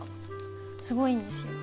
すごいんですよ。